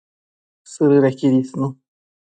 Sëdëdequid isnu